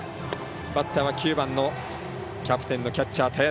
バッターは９番のキャプテンのキャッチャー、田屋。